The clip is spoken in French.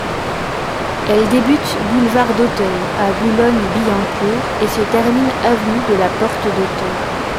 Elle débute boulevard d'Auteuil à Boulogne-Billancourt et se termine avenue de la Porte-d'Auteuil.